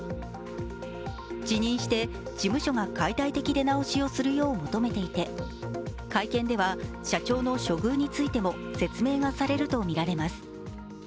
辞任して事務所が解体的出直しをするよう求めていて、会見では社長の処遇についても説明がされるとみられます。